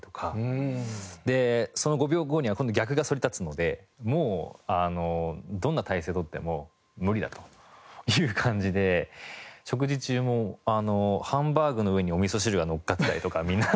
でその５秒後には今度逆がそり立つのでもうどんな体勢を取っても無理だという感じで食事中もハンバーグの上におみそ汁がのっかったりとかみんな。